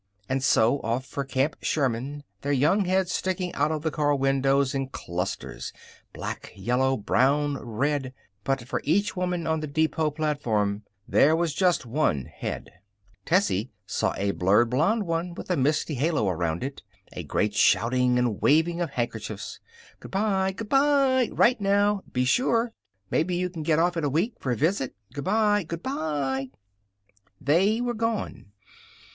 And so off for Camp Sherman, their young heads sticking out of the car windows in clusters black, yellow, brown, red. But for each woman on the depot platform there was just one head. Tessie saw a blurred blond one with a misty halo around it. A great shouting and waving of handkerchiefs: "Good by! Good by! Write, now! Be sure! Mebbe you can get off in a week, for a visit. Good by! Good " They were gone.